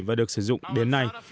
và được sử dụng đến nay